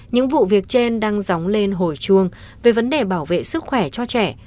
những vụ việc trên đang dóng lên hồi chuông về vấn đề bảo vệ sức khỏe cho trẻ